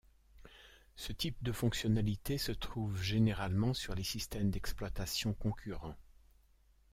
Ce type de fonctionnalités se trouve généralement sur les systèmes d'exploitation concurrent.